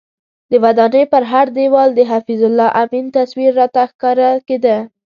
د ودانۍ پر هر دیوال د حفیظ الله امین تصویر راته ښکاره کېده.